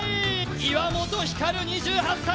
岩本照２８歳！